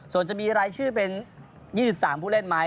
ส่วนจะมีรายชื่อเป็น๒๓ผู้เล่นไหม